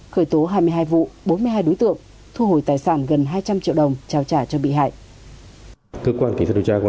khởi tố hai mươi hai vụ bốn mươi hai đối tượng thu hồi tài sản gần hai trăm linh triệu đồng trao trả cho bị hại